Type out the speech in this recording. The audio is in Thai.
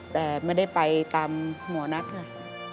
แต่ไม่ได้ไปตามหมวงนักเลย